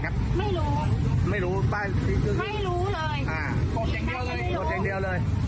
ก็โหดมากอย่างเดียว